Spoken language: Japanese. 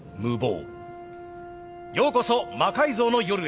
ようこそ「魔改造の夜」へ。